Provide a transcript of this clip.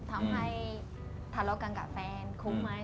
ทำให้ทะเลาะกันกับแฟนคุ้มไหม